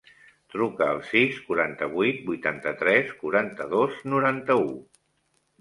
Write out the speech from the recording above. Truca al sis, quaranta-vuit, vuitanta-tres, quaranta-dos, noranta-u.